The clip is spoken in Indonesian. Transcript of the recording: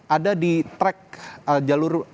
ada di track jalur